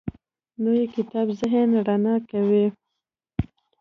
نوی کتاب ذهن رڼا کوي